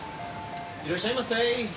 いらっしゃいませ。